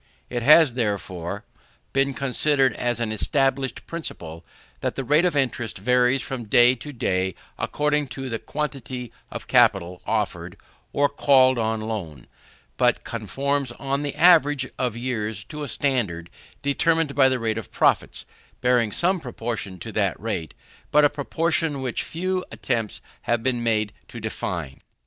It has, therefore, been considered as an established principle, that the rate of interest varies from day to day according to the quantity of capital offered or called for on loan; but conforms on the average of years to a standard determined by the rate of profits, and bearing some proportion to that rate but a proportion which few attempts have been made to define.